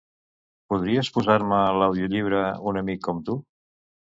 Podries posar-me l'audiollibre "Un amic com tu"?